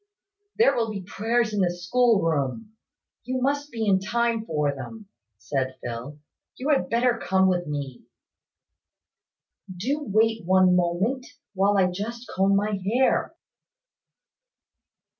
"There will be prayers in the school room. You must be in time for them," said Phil. "You had better come with me." "Do wait one moment, while I just comb my hair."